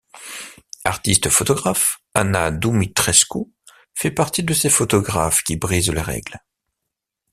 Artiste photographe, Ana Dumitrescu fait partie de ces photographes qui brisent les règles.